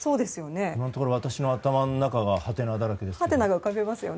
今のところ、私の頭の中がはてなだらけですよ。